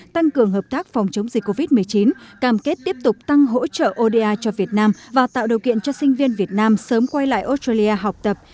tăng cường hợp tác phòng chống dịch covid một mươi chín cam kết tiếp tục tăng hỗ trợ oda cho việt nam và tạo điều kiện cho sinh viên việt nam sớm quay lại australia học tập